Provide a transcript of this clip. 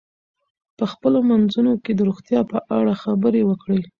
په خپلو منځونو کې د روغتیا په اړه خبرې وکړئ.